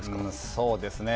そうですね。